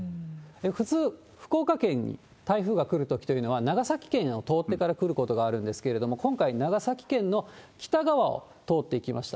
普通、福岡県に台風が来るときというのは、長崎県を通ってから来ることがあるんですけれども、今回、長崎県の北側を通っていきました。